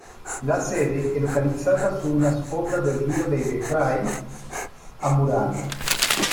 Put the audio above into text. La sede è localizzata su una sponda del rio dei Vetrai, a Murano.